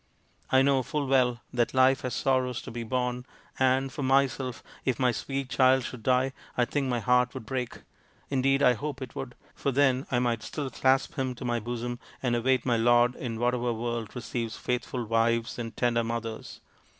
I know full well that life has sorrows to be borne, and, for myself, if my sweet child should die, I think my heart would break indeed I hope it would, for then I might still clasp him to my bosom and await my Lord in whatever world receives faithful wives and tender mothers.